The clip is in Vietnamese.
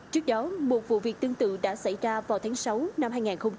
trước đó một vụ việc tương tự đã xảy ra vào tháng sáu năm hai nghìn hai mươi ba